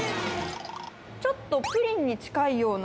ちょっとプリンに近いような。